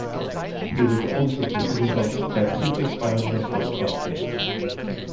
He was also president of Pacific Pioneer Broadcasters.